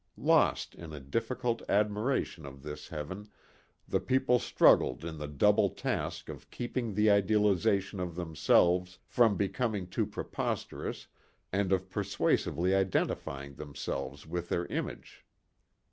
Lost in a difficult admiration of this heaven, the people struggled in the double task of keeping the idealization of themselves from becoming too preposterous and of persuasively identifying themselves with their image.